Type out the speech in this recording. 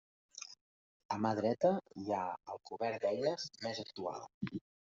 A mà dreta hi ha el cobert d'eines, més actual.